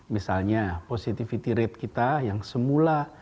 misalnya positivity rate kita yang semula